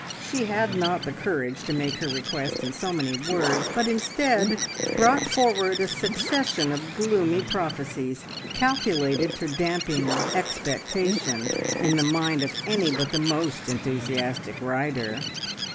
She had not the courage to make her request in so many words, but instead brought forward a succession of gloomy prophecies calculated to dampen expectation in the mind of any but the most enthusiastic rider.